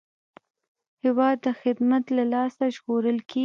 هېواد د خدمت له لاسه ژغورل کېږي.